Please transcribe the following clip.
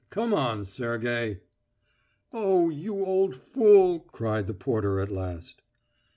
Come on, Sergey." "Oh, you old fool!" cried the porter at last.